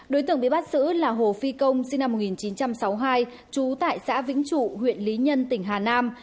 đối tượng bị bắt giữ là hồ phi công sinh năm một nghìn chín trăm sáu mươi hai trú tại xã vĩnh trụ huyện lý nhân tỉnh hà nam